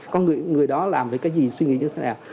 còn người đó làm cái gì suy nghĩ như thế nào